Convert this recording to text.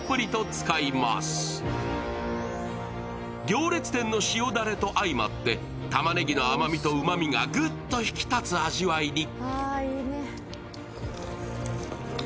行列店の塩だれと相まって、タマネギの甘みとうまみがグッと引き立つ味わいに。